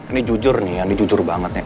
ini jujur nih ya ini jujur banget nih